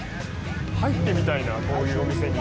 入ってみたいな、こういうお店に。